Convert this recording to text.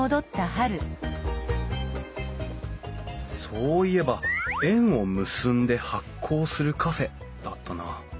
そういえば「縁を結んで発酵するカフェ」だったな。